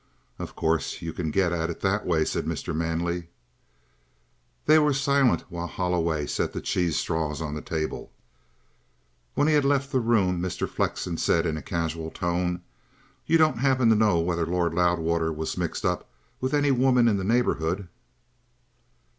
"Of course; you can get at it that way," said Mr. Manley. They were silent while Holloway set the cheese straws on the table. When he had left the room Mr. Flexen said in a casual tone: "You don't happen to know whether Lord Loudwater was mixed up with any woman in the neighbourhood?"